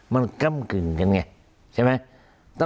มันก้ำกึ่งกันไงใช่ไหม